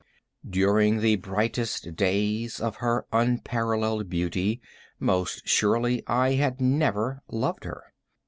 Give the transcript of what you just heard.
During the brightest days of her unparalleled beauty, most surely I had never loved her.